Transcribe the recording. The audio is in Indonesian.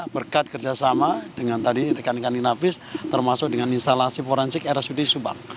berkat kerjasama dengan tadi rekan rekan inavis termasuk dengan instalasi forensik rsud subang